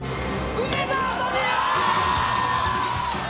梅沢富美男！